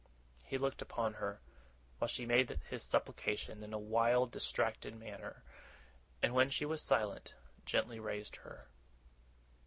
He looked upon her, while she made this supplication, in a wild distracted manner; and, when she was silent, gently raised her.